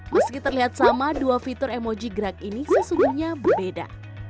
meski terlihat sama dua fitur emoji gerak ini sesungguhnya berbeda